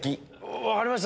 分かりました！